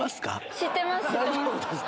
知ってます。